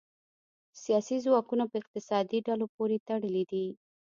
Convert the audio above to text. سیاسي ځواکونه په اقتصادي ډلو پورې تړلي دي